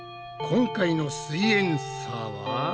今回の「すイエんサー」は。